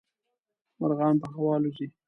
مرغان په هوا الوزي.